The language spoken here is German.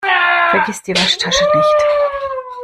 Vergiss die Waschtasche nicht!